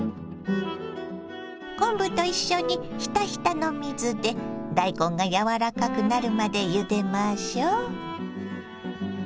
昆布と一緒にひたひたの水で大根が柔らかくなるまでゆでましょ。